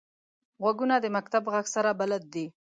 غوږونه د مکتب غږ سره بلد دي